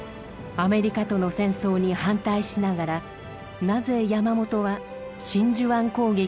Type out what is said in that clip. アメリカとの戦争に反対しながらなぜ山本は真珠湾攻撃を行ったのか。